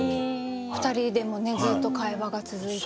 ２人でもねずっと会話が続いて。